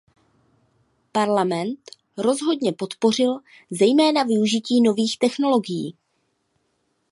Parlament rozhodně podpořil zejména využití nových technologií.